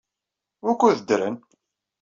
Wukud ddren?